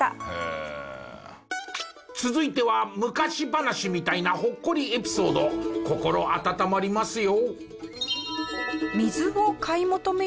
続いては昔話みたいなほっこりエピソード心温まりますよ！